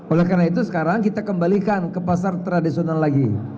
oleh karena itu sekarang kita kembalikan ke pasar tradisional lagi